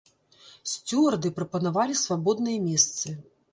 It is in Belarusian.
Сцюарды прапанавалі свабодныя месцы.